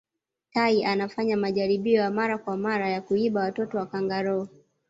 tai anafanya majaribio ya mara kwa amra ya kuiba watoto wa kangaroo